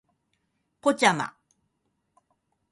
ポッチャマ